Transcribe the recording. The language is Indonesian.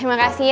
terima kasih ya